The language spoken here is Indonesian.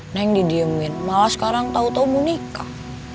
neng didiemin malah sekarang tau tau mau nikah